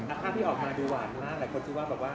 ภาพที่ออกมาดูหวานมากหลายคนที่ว่าแบบว่า